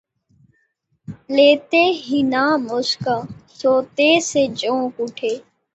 لیتے ہی نام اس کا سوتے سے چونک اٹھے